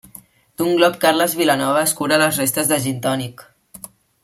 D'un glop Carles Vilanova escura les restes de gintònic.